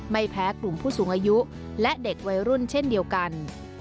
ไม่แพ้กลุ่มผู้สูงอายุและเด็กวัยรุ่นเช่นเดียวกัน